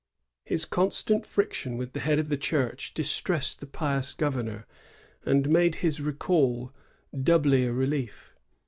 ^ His constant friction with the head of the Church distressed the pious governor, and made his recall doubly a relief.